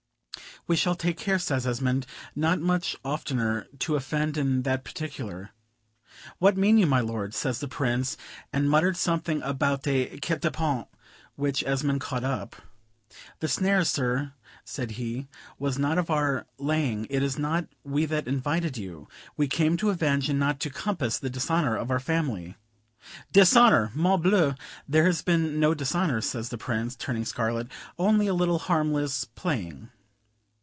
"We shall take care," says Esmond, "not much oftener to offend in that particular." "What mean you, my lord?" says the Prince, and muttered something about a guet a pens, which Esmond caught up. "The snare, Sir," said he, "was not of our laying; it is not we that invited you. We came to avenge, and not to compass, the dishonor of our family." "Dishonor! Morbleu, there has been no dishonor," says the Prince, turning scarlet, "only a little harmless playing."